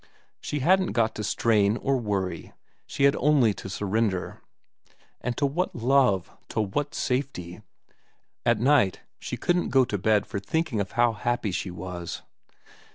She hadn't got to strain or worry, she had only to surrender. And to what love, to what safety ! At night she couldn't go to bed for thinking of how happy she was.